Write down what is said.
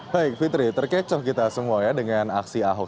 baik fitri terkecoh kita semua ya dengan aksi ahok